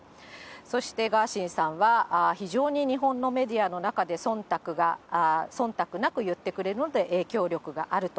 そしてガーシーさんは、非常に日本のメディアの中で、そんたくなく言ってくれるので影響力があると。